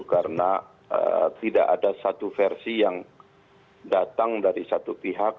karena tidak ada satu versi yang datang dari satu pihak